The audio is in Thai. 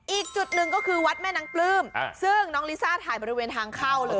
อีกจุดหนึ่งก็คือวัดแม่นางปลื้มซึ่งน้องลิซ่าถ่ายบริเวณทางเข้าเลย